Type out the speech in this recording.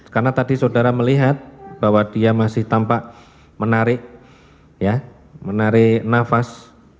karena tadi saudara melihat bahwa dia masih tampak menarik ya menarik nafas